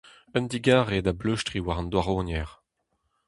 Un digarez da bleustriñ war an douaroniezh !